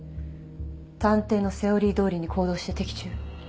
探偵のセオリーどおりに行動して的中。